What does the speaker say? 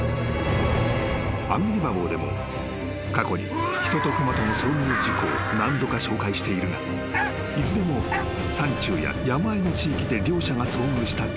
［『アンビリバボー』でも過去に人と熊との遭遇事故を何度か紹介しているがいずれも山中や山あいの地域で両者が遭遇したケース］